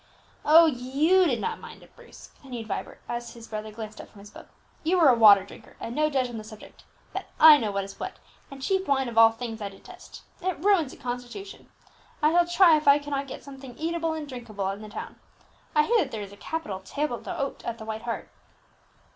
"Oh, you did not mind it, Bruce," continued Vibert, as his brother glanced up from his book; "you are a water drinker and no judge on the subject, but I know what is what, and cheap wine of all things I detest. It ruins the constitution. I shall try if I cannot get something eatable and drinkable in the town; I hear that there is a capital table d'hôte at the White Hart."